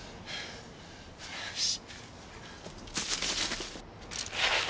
よし。